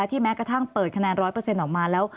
ที่แม้กระทั่งเปิดคะแนนร้อยเปอร์เซ็นต์ออกมาแล้ว